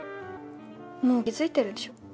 もう気付いてるでしょ？